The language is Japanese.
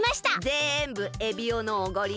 ぜんぶエビオのおごりね！